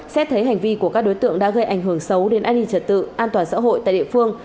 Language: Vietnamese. xét thấy hành vi của các đối tượng đã gây ảnh hưởng xấu đến an ninh trật tự an toàn xã hội tại địa phương